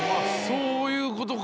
そういうことか。